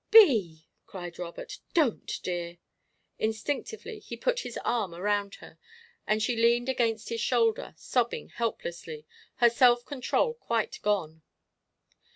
"Bee!" cried Robert. "Don't, dear!" Instinctively he put his arm around her, and she leaned against his shoulder, sobbing helplessly, her self control quite gone.